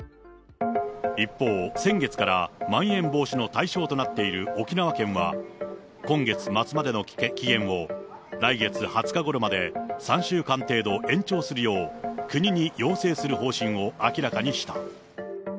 一方、先月からまん延防止の対象となっている沖縄県は、今月末までの期限を来月２０日ごろまで３週間程度、延長するよう国に要請する方針を明らかにした。